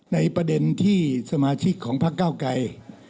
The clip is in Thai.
ในประเด็นที่สมาชิกของพักเก้าไกร